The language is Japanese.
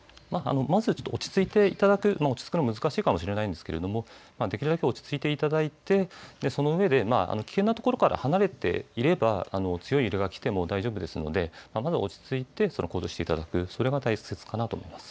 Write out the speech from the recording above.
まず落ち着いていただく、落ち着くの、難しいかもしれないですけどできるだけ落ち着いていただいてそのうえで危険な所から離れていれば強い揺れが来ても大丈夫ですのでまずは落ち着いて行動していただく、それが大切かなと思います。